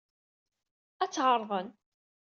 Ad tt-ɛerḍen.